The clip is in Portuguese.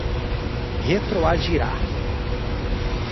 retroagirá